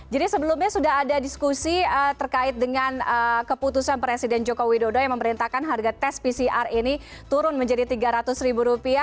jadi sebelumnya sudah ada diskusi terkait dengan keputusan presiden joko widodo yang memerintahkan harga tes pcr ini turun menjadi tiga ratus ribu rupiah